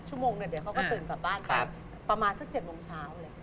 อันนี้กระบอกละ๒๐๐จ้ะ